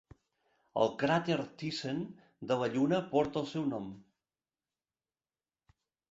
El cràter Thiessen de la Lluna porta el seu nom.